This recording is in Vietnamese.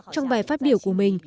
trong bài phát biểu của mình